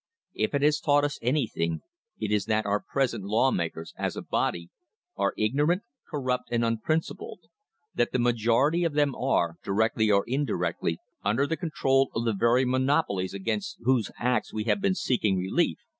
If it has taught us anything, it is that our present law makers, as a body, are ignorant, corrupt and unprincipled; that the majority of them are, directly or indirectly, under the control of the very monopolies against whose acts we have been seek ing relief.